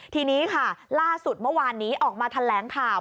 ทีนี้ค่ะล่าสุดเมื่อวานนี้ออกมาแถลงข่าว